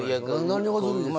何がずるいですか？